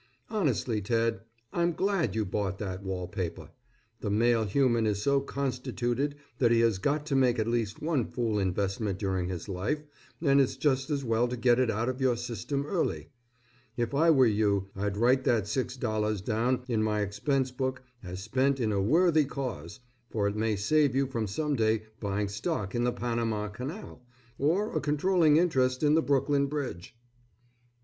Honestly, Ted, I'm glad you bought that wall paper. The male human is so constituted that he has got to make at least one fool investment during his life and it's just as well to get it out of your system early. If I were you, I'd write that six dollars down in my expense book as spent in a worthy cause, for it may save you from some day buying stock in the Panama Canal, or a controlling interest in the Brooklyn Bridge.